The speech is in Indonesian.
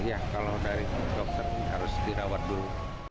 iya kalau dari dokter harus dirawat dulu